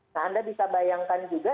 nah anda bisa bayangkan juga